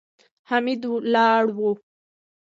حميد ولاړ و.